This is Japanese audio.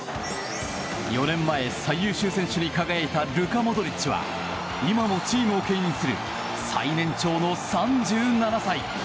４年前、最優秀選手に輝いたルカ・モドリッチは今もチームを牽引する最年長の３７歳。